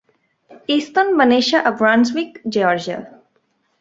Easton va néixer a Brunswick, Geòrgia.